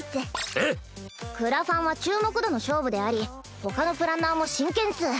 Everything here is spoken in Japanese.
えっ⁉クラファンは注目度の勝負でありほかのプランナーも真剣っス。